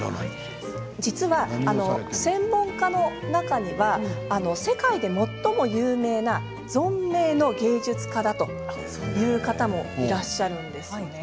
実は専門家の中には世界で最も有名な存命の芸術家だという方もいらっしゃるんですね。